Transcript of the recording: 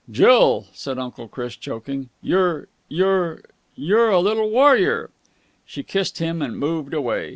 "Jill," said Uncle Chris, choking, "you're you're you're a little warrior!" Jill kissed him and moved away.